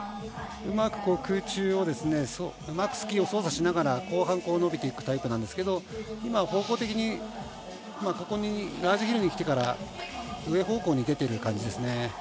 うまく空中をスキーを操作しながら後半に伸びていくタイプなんですけど今、方向的にラージヒルに来てから上方向に出ている感じですね。